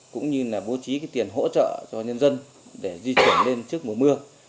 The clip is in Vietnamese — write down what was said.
cũng như là bố trí tiền hỗ trợ cho nhân dân để di chuyển lên trước mùa mưa